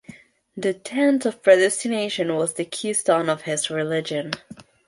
The tenet of predestination was the keystone of his religion.